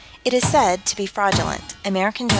It is said to be fraudulent. (_Amer. Jour.